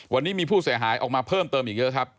วันนี้มีผู้เสียหายออกมาเพิ่มเติมอีกเยอะครับ